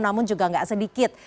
namun juga gak sedikit